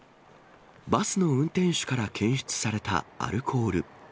バスの運転手から検出されたアルコール。